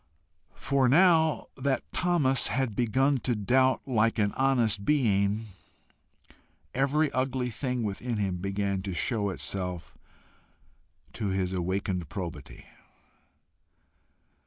For now that Thomas had begun to doubt like an honest being, every ugly thing within him began to show itself to his awakened probity.